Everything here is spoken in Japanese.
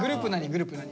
グループ何。